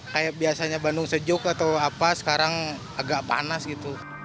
kayak biasanya bandung sejuk atau apa sekarang agak panas gitu